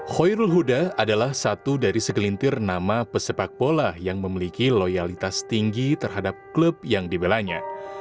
hoyrul huda adalah satu dari segelintir nama pesepak bola yang memiliki loyalitas tinggi terhadap klub yang dibelanya